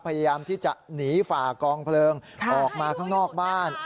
พยายามที่จะหนีฝ่ากองเพลิงออกมาข้างนอกบ้าน